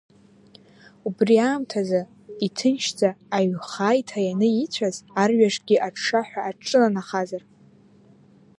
Убри аамҭазы, иҭынчӡа аиҩхаа иҭаианы ицәаз арҩашгьы аҽҽаҳәа аҿынанахазар.